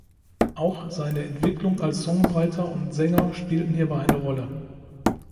Auch seine Entwicklung als Songwriter und Sänger spielten hierbei eine Rolle.